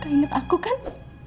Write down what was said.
kau inget aku kan